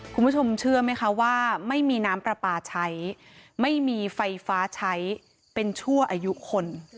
คุณผู้ชมเชื่อไหมคะว่าไม่มีน้ำปลาปลาใช้ไม่มีไฟฟ้าใช้เป็นชั่วอายุคน